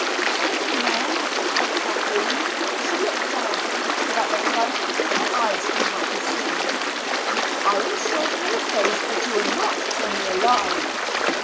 "Thank you, ma'am," said Kathleen. She looked down, so that the fun in her eyes could not be seen. "I am sure from your face that you will not tell me a lie."